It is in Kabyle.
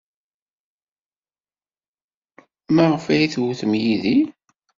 Maɣef ay tewtem Yidir?